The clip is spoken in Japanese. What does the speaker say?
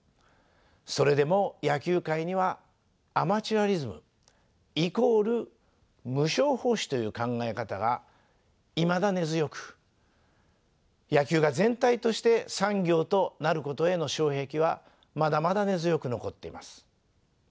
それでも野球界にはアマチュアリズム＝無償奉仕という考え方がいまだ根強く野球が全体として産業となることへの障壁はまだまだ根強く残っています。